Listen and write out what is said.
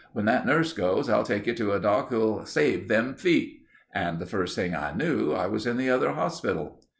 When that nurse goes, I'll take you to a doc who'll save them feet.' And the first thing I knew I was in the other hospital.